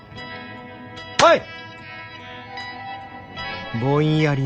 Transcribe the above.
はい。